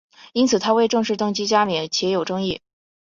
因为他未正式登基加冕且有争议。